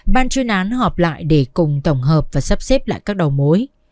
ban chuyên án họp lại để cùng tổng hợp và sắp xếp lại các đầu mối